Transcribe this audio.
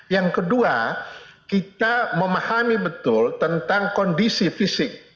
yang kedua kita memahami betul tentang kondisi fisik